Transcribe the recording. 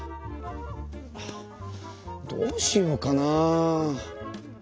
ああどうしようかな？